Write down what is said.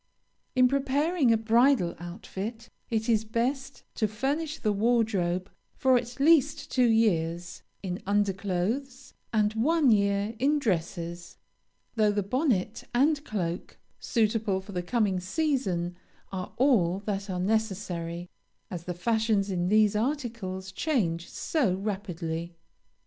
In preparing a bridal outfit, it is best to furnish the wardrobe for at least two years, in under clothes, and one year in dresses, though the bonnet and cloak, suitable for the coming season, are all that are necessary, as the fashions in these articles change so rapidly.